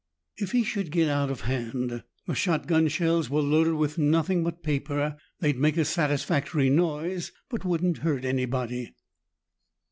If he should get out of hand, the shotgun shells were loaded with nothing but paper. They'd make a satisfactory noise but wouldn't hurt anybody.